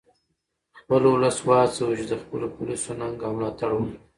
خپل ولس و هڅوئ چې د خپلو پولیسو ننګه او ملاتړ وکړي